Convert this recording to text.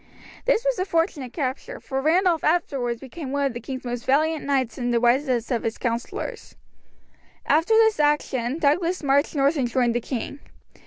This was a fortunate capture, for Randolph afterwards became one of the king's most valiant knights and the wisest of his counsellors. After this action Douglas marched north and joined the king.